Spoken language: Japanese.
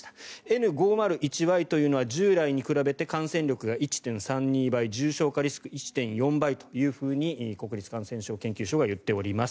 Ｎ５０１Ｙというのは従来に比べて感染力が１．３２倍重症化リスク１．４倍というふうに国立感染症研究所が言っております。